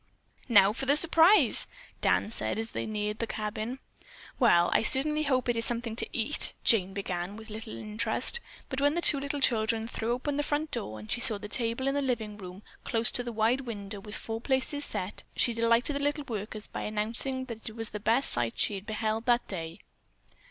"Now for the surprise!" Dan said as they neared the cabin. "Well, I certainly hope it is something to eat," Jane began, with little interest, but when the two children threw open the front door and she saw the table in the living room close to the wide window with four places set, she delighted the little workers by announcing that it was the best sight she had beheld that day.